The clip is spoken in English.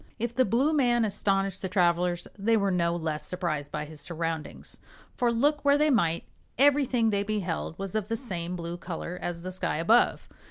If the blue man astonished the travelers they were no less surprised by his surroundings, for look where they might, everything they beheld was of the same blue color as the sky above.